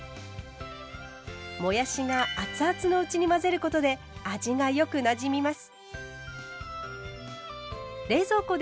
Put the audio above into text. もやしが熱々のうちに混ぜることで味がよくなじみます。